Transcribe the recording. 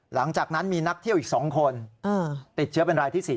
หลังจากนั้นมีนักเที่ยวอีก๒คนติดเชื้อเป็นรายที่๔